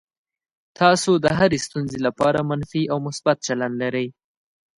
تاسو د هرې ستونزې لپاره منفي او مثبت چلند لرئ.